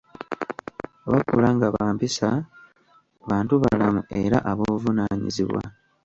Bakula nga ba mpisa, bantubalamu era ab’obuvunaanyizibwa.